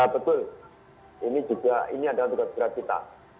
betul ini juga ini adalah tugas berat kita